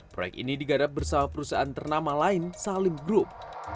proyek ini digadap bersama perusahaan ternama lain salim group